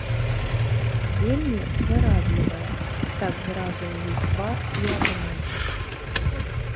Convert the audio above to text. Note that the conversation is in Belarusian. Вельмі заразлівая, так зразу ўвесь твар і аблазіць.